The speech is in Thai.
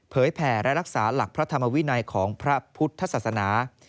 แผ่และรักษาหลักพระธรรมวินัยของพระพุทธศาสนา